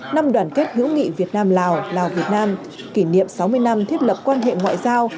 năm đoàn kết hữu nghị việt nam lào lào việt nam kỷ niệm sáu mươi năm thiết lập quan hệ ngoại giao